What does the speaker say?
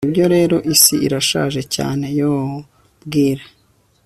Nibyo rero isi irashaje cyane Yoo bwira